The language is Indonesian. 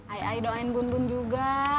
ae ae doain bun bun juga